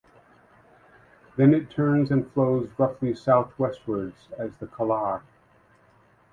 Then it turns and flows roughly southwestwards as the Kalar.